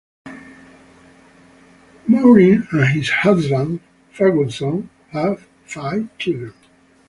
Ferguson and his wife Maureen have five children.